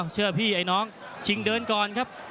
เชื่อพี่ไอ้น้องชิงเดินก่อนครับ